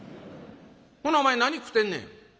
ほなお前食うてんねん？」。